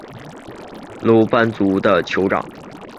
楼班族的酋长。